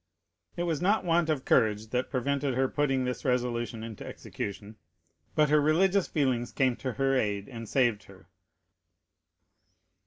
It was not want of courage that prevented her putting this resolution into execution; but her religious feelings came to her aid and saved her.